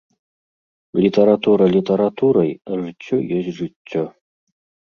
Літаратура літаратурай, а жыццё ёсць жыццё.